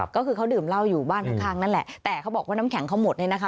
ก็คือเขาดื่มเหล้าอยู่บ้านข้างนั่นแหละแต่เขาบอกว่าน้ำแข็งเขาหมดเนี่ยนะคะ